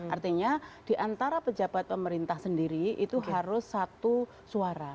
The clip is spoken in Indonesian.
artinya diantara pejabat pemerintah sendiri itu harus satu suara